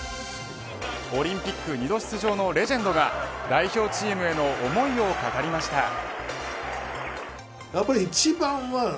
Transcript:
オリンピック２度出場のレジェンドが代表チームへの思いを語りました。